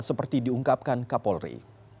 seperti diungkapkan kapolri